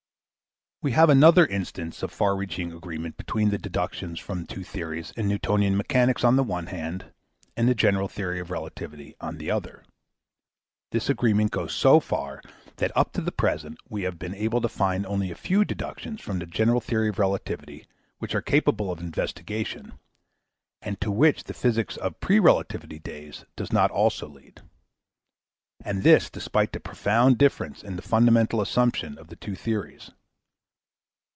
We have another instance of far reaching agreement between the deductions from two theories in Newtonian mechanics on the one hand, and the general theory of relativity on the other. This agreement goes so far, that up to the preseat we have been able to find only a few deductions from the general theory of relativity which are capable of investigation, and to which the physics of pre relativity days does not also lead, and this despite the profound difference in the fundamental assumptions of the two theories.